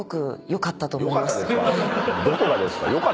どこがですか？